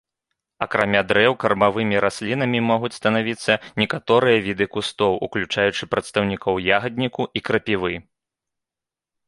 Акрамя дрэў кармавымі раслінамі могуць станавіцца некаторыя віды кустоў, уключаючы прадстаўнікоў ягадніку і крапівы.